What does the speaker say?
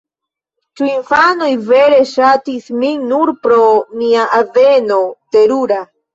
Ĉu infanoj vere ŝatis min nur pro mia azeno? Terura.